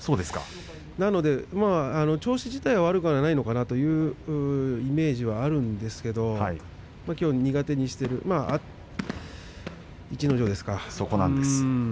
なので調子自体は悪くないのかなというイメージはあるんですけれどもきょうは苦手にしている逸ノ城です。